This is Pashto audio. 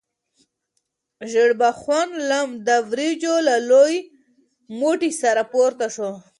ژیړبخون لم د وریجو له لوی موټي سره پورته شو.